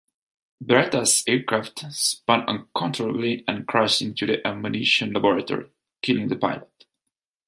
Beretta's aircraft spun uncontrollably and crashed into the ammunition laboratory, killing the pilot.